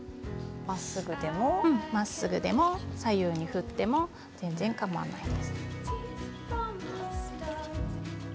まっすぐでも左右に振っても全然かまわないです。